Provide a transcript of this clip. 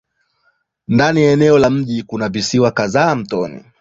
Ndani ya eneo la mji kuna visiwa kadhaa mtoni.